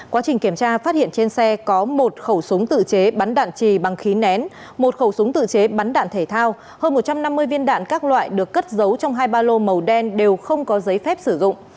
quá trình kiểm tra phát hiện trên xe có một khẩu súng tự chế bắn đạn trì bằng khí nén một khẩu súng tự chế bắn đạn thể thao hơn một trăm năm mươi viên đạn các loại được cất giấu trong hai ba lô màu đen đều không có giấy phép sử dụng